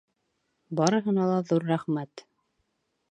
Барыһына ла ҙур рәхмәт!